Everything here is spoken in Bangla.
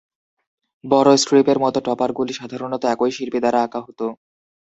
বড় স্ট্রিপের মতো টপারগুলি সাধারণত একই শিল্পী দ্বারা আঁকা হতো।